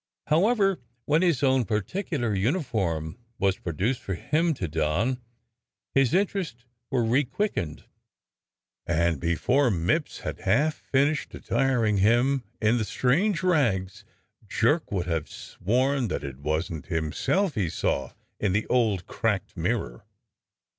However, when his own particular uniform was produced for him to don, his interests were requickened, and before Mipps had half finished attiring him in the strange rags Jerk would have sworn that it wasn't himself he saw in the old cracked mirror.